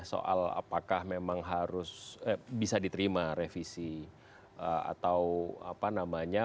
soal apakah memang harus bisa diterima revisi atau apa namanya